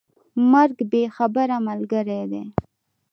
مرګ بې خبره ملګری دی.